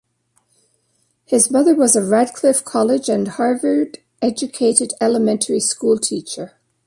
His mother was a Radcliffe College- and Harvard-educated elementary school teacher.